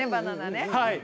はい。